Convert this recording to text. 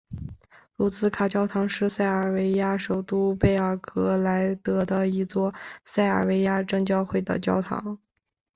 卢茨卡教堂是塞尔维亚首都贝尔格莱德的一座塞尔维亚正教会的教堂。